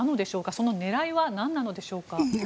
その狙いはなんなのでしょうか。